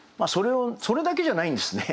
それだけじゃないんですね。